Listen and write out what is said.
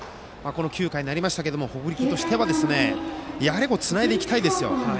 ９回になりましたが北陸としてはやはりつないでいきたいですよ。